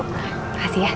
terima kasih ya